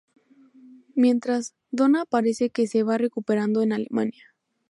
Mientras, Donna parece que se va recuperando en Alemania.